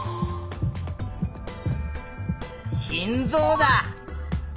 「心臓」だ。